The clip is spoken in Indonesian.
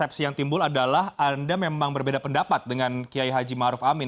resepsi yang timbul adalah anda memang berbeda pendapat dengan kiai haji maruf amin